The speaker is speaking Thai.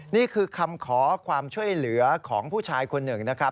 นี่คือคำขอความช่วยเหลือของผู้ชายคนหนึ่งนะครับ